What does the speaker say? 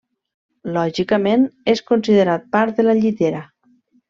Lògicament, és considerat part de la Llitera.